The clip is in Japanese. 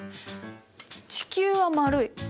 地球は丸い。